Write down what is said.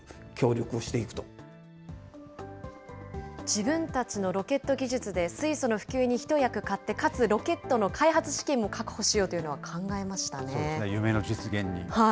自分たちのロケット技術で水素の普及に一役買って、かつロケットの開発資金も確保しようというのは、考えましたね。